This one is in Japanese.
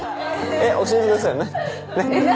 えっ教えてくださいな何？